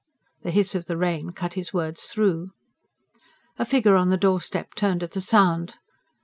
The hiss of the rain cut his words through. A figure on the doorstep turned at the sound.